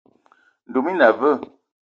Ndoum i na aveu?